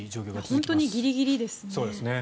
本当にギリギリですね。